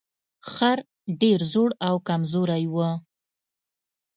خر ډیر زوړ او کمزوری و.